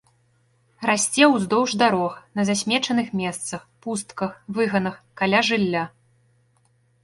Расце ўздоўж дарог, на засмечаных месцах, пустках, выганах, каля жылля.